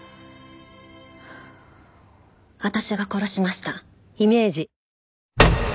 私が殺しました。